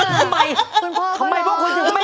ทำไมพวกคุณไม่เรียกคุณพ่อ